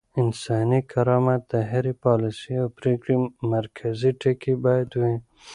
انساني کرامت د هرې پاليسۍ او پرېکړې مرکزي ټکی بايد وي.